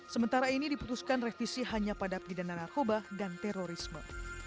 sementara ini diputuskan revisi hanya pada pidana narkoba dan terorisme